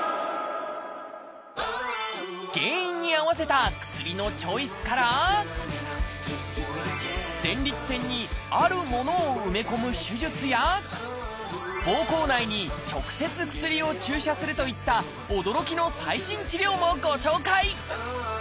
原因に合わせた薬のチョイスから前立腺にあるものを埋め込む手術やぼうこう内に直接薬を注射するといった驚きの最新治療もご紹介。